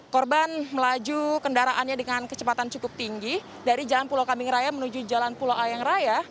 korban melaju kendaraannya dengan kecepatan cukup tinggi dari jalan pulau kambing raya menuju jalan pulau ayang raya